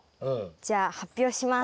じゃあ発表します。